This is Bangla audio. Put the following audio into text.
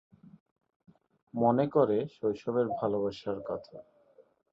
মনে করে শৈশবের ভালোবাসার কথা।